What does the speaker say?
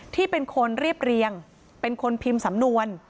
ที่เป็นคนเรียบเรียงเป็นคนพิมพ์สำนวน